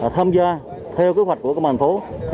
tham gia theo kế hoạch của công an phố